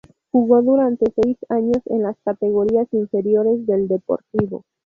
Jugó durante seis años en las categorías inferiores del Deportivo.